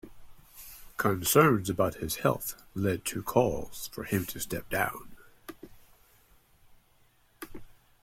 Concerns about his health led to calls for him to step down.